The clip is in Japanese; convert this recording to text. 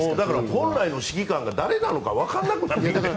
本来の指揮官が誰なのかわからなくなっている。